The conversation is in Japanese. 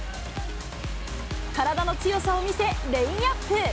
体の強さを見せ、レイアップ。